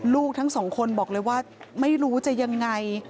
ลูกทั้งสองคนบอกเลยว่าไม่รู้จะยังไง